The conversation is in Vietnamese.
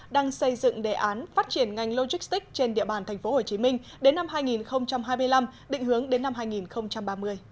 đang xây dựng đề án phát triển ngành logistics trên địa bàn tp hcm đến năm hai nghìn hai mươi năm định hướng đến năm hai nghìn ba mươi